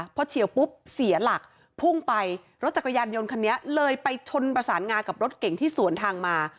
พอเฉียวปุ๊บเสียหลักพุ่งไปรถจักรยานยนต์คันนี้เลยไปชนประสานงากับรถเก่งที่สวนทางมา